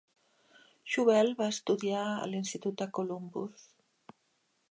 Schobel va estudiar a l'institut de Columbus.